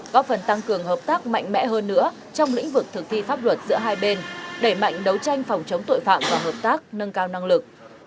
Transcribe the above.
góp phần tăng cường hợp tác mạnh mẽ hơn nữa trong lĩnh vực thực thi pháp luật giữa hai bên đẩy mạnh đấu tranh phòng chống tội phạm và hợp tác nâng cao năng lực